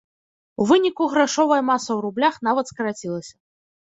У выніку грашовая маса ў рублях нават скарацілася.